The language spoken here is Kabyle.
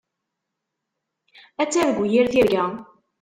Ad targu yir tirga.